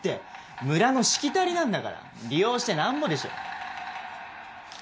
村のしきたりなんだから利用してなんぼでしょ。